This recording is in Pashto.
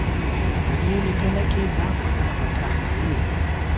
په دې لیکنه کې دا پوښتنه مطرح کوو.